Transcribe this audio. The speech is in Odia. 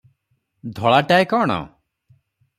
ଧଳାଟାଏ କଣ?